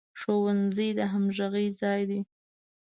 ښوونځی د همغږۍ ځای دی